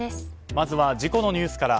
まずは、事故のニュースから。